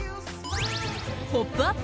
「ポップＵＰ！」